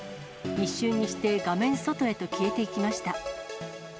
一瞬にして画面外へと消えていきました。